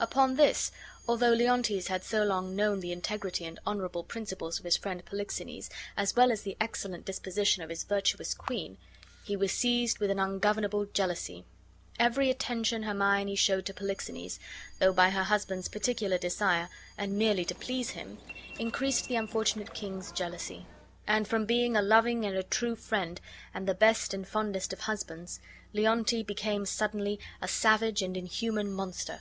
Upon this, although Leontes had so long known the integrity and honorable principles of his friend Polixenes, as well as the excellent disposition of his virtuous queen, he was seized with an ungovernable jealousy. Every attention Hermione showed to Polixenes, though by her husband's particular desire and merely to please him, increased the unfortunate king's jealousy; and from being a loving and a true friend, and the best and fondest of husbands, Leontes became suddenly a savage and inhuman monster.